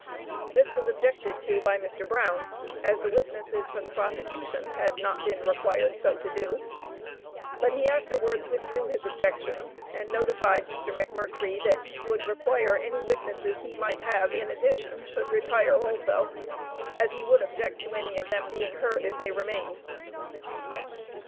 This was objected to by Mr. Brown, as the witnesses for the prosecution had not been required so to do; but he afterwards withdrew his objections, and notified Mr. McMurtrie that he would require any witnesses he might have in addition, should retire also; as he would object to any of them being heard if they remained.